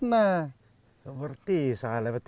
bagaimana sekarang tidak ada petani